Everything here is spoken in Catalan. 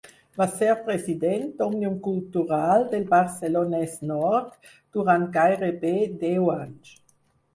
Va ser president d'Òmnium Cultural del Barcelonès Nord durant gairebé deu anys.